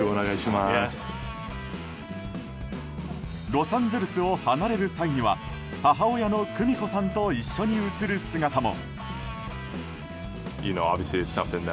ロサンゼルスを離れる際は母親の久美子さんと一緒に写る姿も。